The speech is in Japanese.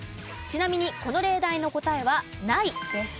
ちなみにこの例題の答えは「ない」です。